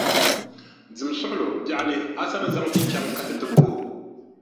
Dimi suɣulo, biɛɣuni, a sa ni zaŋ ti chaŋ ka ti ti puhi o?